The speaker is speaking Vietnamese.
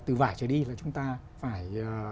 từ vải trở đi là chúng ta phải